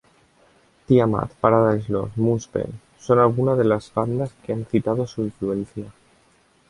Tiamat, Paradise Lost, Moonspell... son algunas de las bandas que han citado su influencia.